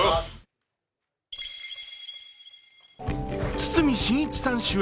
堤真一さん主演